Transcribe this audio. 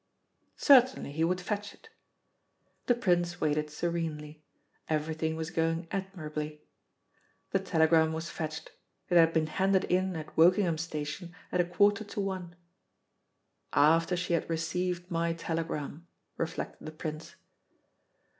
Certainly, he would fetch it. The Prince waited serenely. Everything was going admirably. The telegram was fetched. It had been handed in at Wokingham station at a quarter to one. "After she had received my telegram," reflected the Prince.